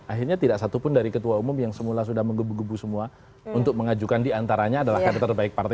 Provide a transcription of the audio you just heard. akhirnya tidak satupun dari ketua umum yang semula sudah menggebu gebu semua untuk mengajukan diantaranya adalah kader terbaik partai